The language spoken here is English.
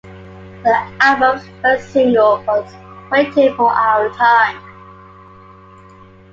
The album's first single was "Waiting for Our Time".